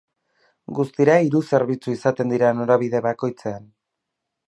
Guztira hiru zerbitzu izaten dira norabide bakoitzean.